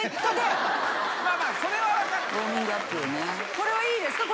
これはいいですか？